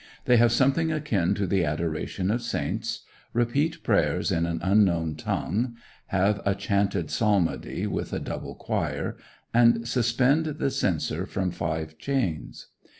They have something akin to the adoration of saints; repeat prayers in an unknown tongue; have a chanted psalmody with a double choir; and suspend the censer from five chains.